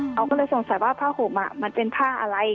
เขาก็เลยสงสัยว่าผ้าห่มมันเป็นผ้าอะไร